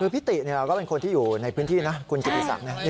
พิติเราก็เป็นคนที่อยู่ในพื้นที่คุณกิติศัพท์